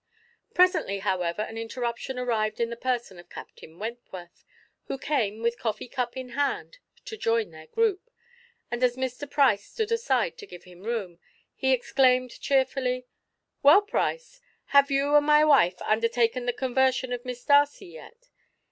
Presently, however, an interruption arrived in the person of Captain Wentworth, who came, with coffee cup in hand, to join their group, and as Mr. Price stood aside to give him room, he exclaimed cheerfully: "Well, Price, have you and my wife undertaken the conversion of Miss Darcy yet?